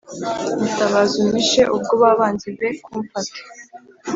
Mutabazi umpishe ubwo, Ba banzi be kumfata